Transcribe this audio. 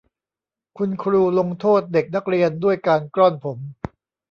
คุณครูลงโทษเด็กนักเรียนด้วยการกล้อนผม